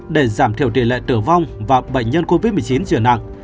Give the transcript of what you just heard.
để giảm thiểu tỷ lệ tử vong và bệnh nhân covid một mươi chín trở nặng